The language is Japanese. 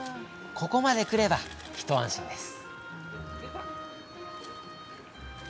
ここまでくれば一安心です。